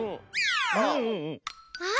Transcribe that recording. あっ。